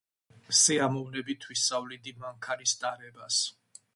სიამოვნებით ვისწავლიდი მანქანის ტარებას.